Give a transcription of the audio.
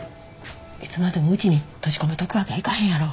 いつまでもうちに閉じ込めとくわけにはいかへんやろ。